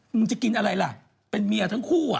มึงจะกินอะไรล่ะเป็นเมียทั้งคู่